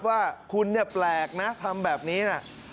ว่าคุณเนี่ยแปลกนะทำแบบนี้นะ